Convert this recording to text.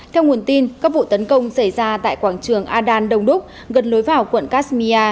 theo nguồn tin các vụ tấn công xảy ra tại quảng trường adan đông đúc gần lối vào quận kashmia